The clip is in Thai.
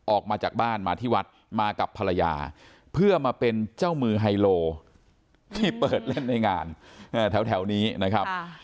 ออกมาจากบ้านมาที่วัดมากับภรรยาเพื่อมาเป็นเจ้ามือไฮโลที่เปิดเล่นในงานแถวนี้นะครับ